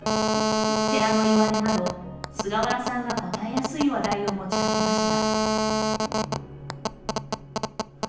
寺のいわれなど、菅原さんが答えやすい話題を持ちかけました。